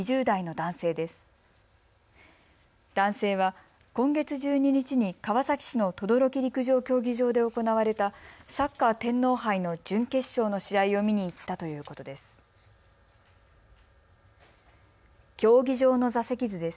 男性は今月１２日に川崎市の等々力陸上競技場で行われたサッカー天皇杯の準決勝の試合を見に行ったということです。